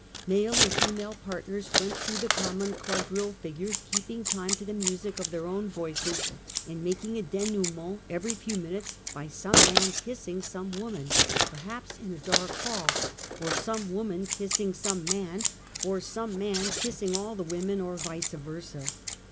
Male and female partners went through the common quadrille figures, keeping time to the music of their own voices, and making a denoument every few moments by some man kissing some woman, per haps in a dark hall, or some woman kissing some man, or some man kissing all the women, or vice versa.